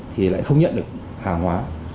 thì lại không nhận được hàng hóa